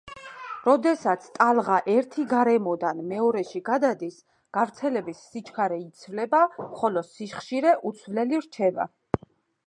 როდესაც ტალღა ერთი გარემოდან მეორეში გადადის, გავრცელების სიჩქარე იცვლება, ხოლო სიხშირე უცვლელი რჩება.